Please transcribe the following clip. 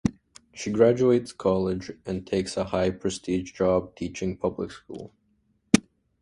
She graduates college and takes a high-prestige job teaching public school.